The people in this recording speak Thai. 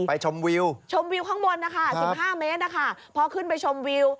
ชมวิวชมวิวข้างบนนะคะ๑๕เมตรนะคะพอขึ้นไปชมวิว